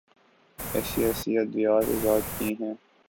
ایسی ایسی ادویات ایجاد کی ہیں۔